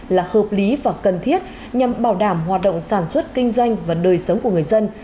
là hợp lý và cần thiết nhằm bảo đảm hoạt động sản xuất kinh doanh và đời sống của người dân